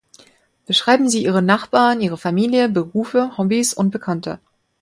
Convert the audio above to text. Beschreiben Sie Ihre Nachbarn, ihre Familie, Berufe, Hobbys, Bekannte.